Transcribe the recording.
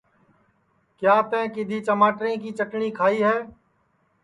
کیا تیں کِدؔھی چماٹریں کی چٹٹؔی کھائی ہے